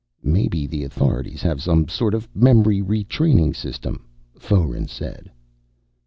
"Maybe the authorities have some sort of memory retraining system," Foeren said.